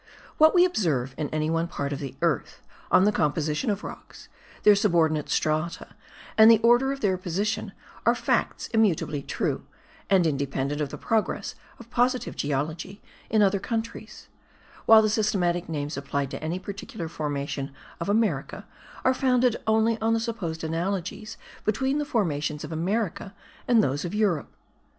What we observe in any one part of the earth on the composition of rocks, their subordinate strata and the order of their position are facts immutably true, and independent of the progress of positive geology in other countries; while the systematic names applied to any particular formation of America are founded only on the supposed analogies between the formations of America and those of Europe.